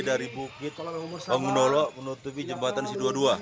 terjadi dari bukit om nolo menutupi jembatan si dua puluh dua